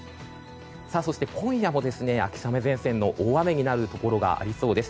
そして、今夜も秋雨前線の大雨になるところがありそうです。